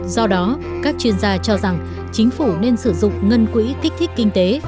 do đó các chuyên gia cho rằng chính phủ nên sử dụng ngân quỹ kích thích kinh tế